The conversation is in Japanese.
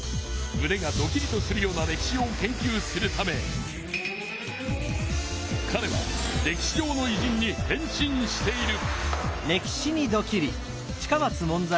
むねがドキリとするような歴史を研究するためかれは歴史上のいじんに変身している。